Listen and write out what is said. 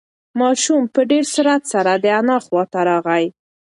ماشوم په ډېر سرعت سره د انا خواته راغی.